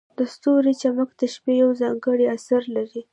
د ستورو چمک د شپې یو ځانګړی اثر لري.